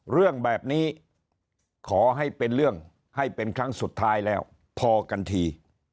เรื่องแบบนี้ขอให้เป็นเรื่องให้เป็นครั้งสุดท้ายแล้วพอกันที